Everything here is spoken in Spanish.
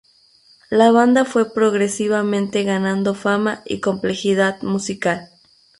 La banda fue progresivamente ganando fama y complejidad musical.